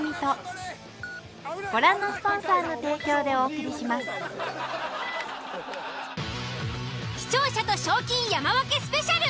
果たして視聴者と賞金山分けスペシャル。